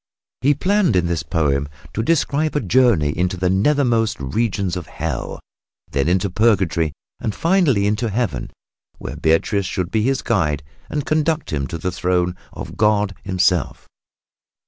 He planned in this poem to describe a journey into the nethermost regions of Hell, then into Purgatory and finally into Heaven, where Beatrice should be his guide and conduct him to the throne of God Himself.